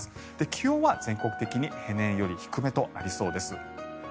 気温は全国的に平年より低めとなりそうです。